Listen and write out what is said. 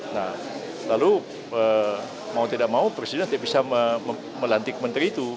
nah lalu mau tidak mau presiden tidak bisa melantik menteri itu